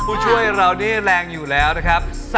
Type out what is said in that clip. ผู้ช่วยเรานี่แรงอยู่แล้วนะครับ